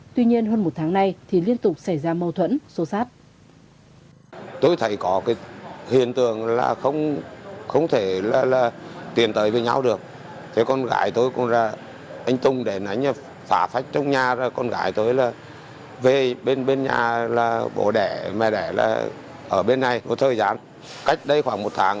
tuy nhiên hơn một tháng nay thì liên tục xảy ra mâu thuẫn xô xát